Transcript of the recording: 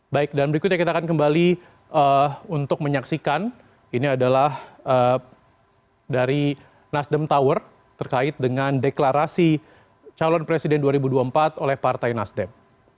baik dan berikutnya kita akan kembali untuk menyaksikan ini adalah dari nasdem tower terkait dengan deklarasi calon presiden dua ribu dua puluh empat oleh partai nasdem